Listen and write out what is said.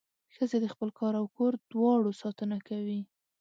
ښځه د خپل کار او کور دواړو ساتنه کوي.